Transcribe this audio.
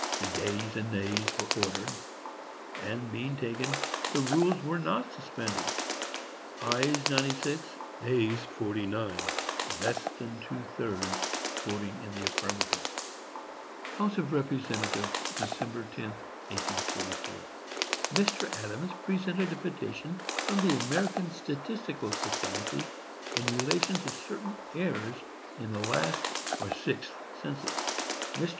The yeas and nays were ordered, and, being taken, the rules were not suspended,—ayes 96, nays 49,—less than two thirds voting in the affirmative. HOUSE OF REPRESENTATIVES. Dec. 10, 1844.—Mr. Adams presented a petition from the American Statistical Society, in relation to certain errors in the last or sixth census. Mr.